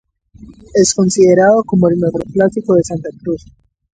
Es considerado como el mejor clásico de Santa Cruz.